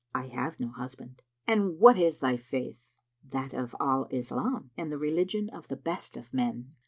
"I have no husband"; "And what is thy Faith?" "That of Al Islam, and the religion of the Best of Men."